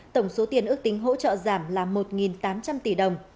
tổng số tiền ước tính hỗ trợ giảm là một tám trăm linh tỷ đồng